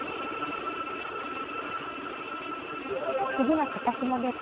次は肩ひもです。